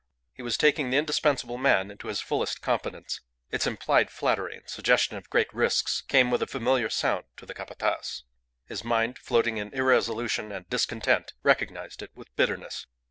He was taking the indispensable man into his fullest confidence. Its implied flattery and suggestion of great risks came with a familiar sound to the Capataz. His mind, floating in irresolution and discontent, recognized it with bitterness.